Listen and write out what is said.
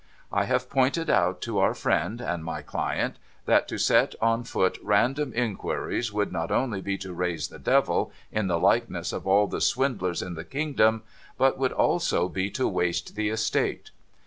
I have pointed out to our friend (and my client), that to set on foot random inquiries would not only be to raise the Devil, in the likeness of all the swindlers in the kingdom, but would also be to waste the estate.